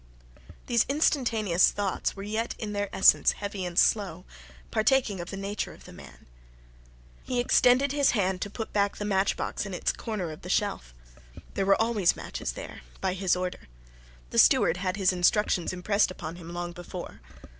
These instantaneous thoughts were yet in their essence heavy and slow, partaking of the nature of the man. He extended his hand to put back the matchbox in its corner of the shelf. There were always matches there by his order. The steward had his instructions impressed upon him long before.